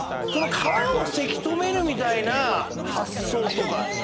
川をせき止めるみたいな発想とか。